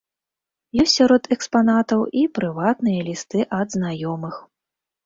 Ёсць сярод экспанатаў і прыватныя лісты ад знаёмых.